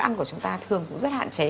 ăn của chúng ta thường cũng rất hạn chế